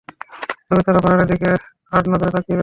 তবে তারা পাহাড়ের দিকে আড় নজরে তাকিয়ে রয়েছিল।